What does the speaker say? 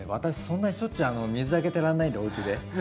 そんなにしょっちゅう水あげてらんないんでおうちで。